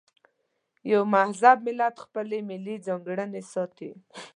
یو مهذب ملت خپلې ملي ځانګړنې ساتي.